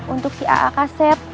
untuk si aak sep